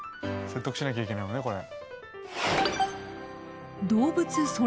説得しなきゃいけないのねこれ。